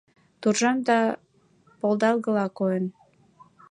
Туржам да полдалгыла койын